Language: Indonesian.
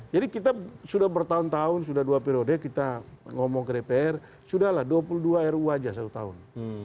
jadi kita sudah bertahun tahun sudah dua periode kita ngomong ke dpr sudah lah dua puluh dua ruu saja satu tahun